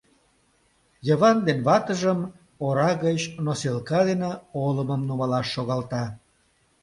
Йыван ден ватыжым ора гыч носилка дене олымым нумалаш шогалта.